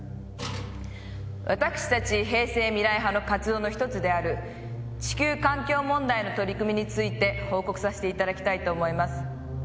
私たち平成未来派の活動の１つである地球環境問題の取り組みについて報告させていただきたいと思います。